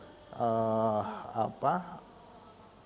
giaji h c maas arih dulu itu begitu